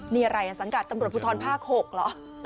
นี่อะไรสังกัดตำรวจภูทรภาค๖เหรอ